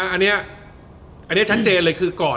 อันนี้ชัดเจนเลยคือ